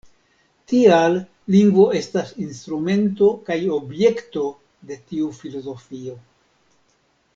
Tial lingvo estas instrumento kaj objekto de tiu filozofio.